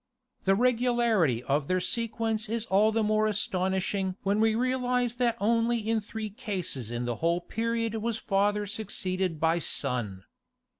The regularity of their sequence is all the more astonishing when we realize that only in three cases in the whole period was father succeeded by son.